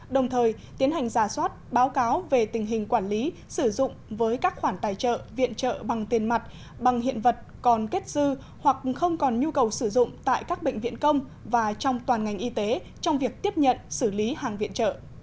đồng thời tiến hành giả soát báo cáo về tình hình quản lý sử dụng với các khoản tài trợ viện trợ bằng tiền mặt bằng hiện vật còn kết dư hoặc không còn nhu cầu sử dụng tại các bệnh viện công và trong toàn ngành y tế trong việc tiếp nhận xử lý hàng viện trợ